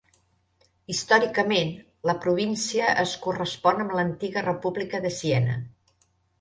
Històricament, la província es correspon amb la antiga República de Siena.